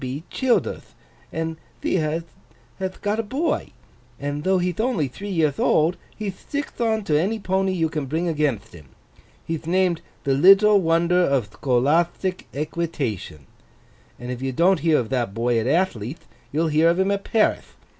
W. B. Childerth, and thee hath got a boy, and though he'th only three yearth old, he thtickth on to any pony you can bring againtht him. He'th named The Little Wonder of Thcolathtic Equitation; and if you don't hear of that boy at Athley'th, you'll hear of him at Parith.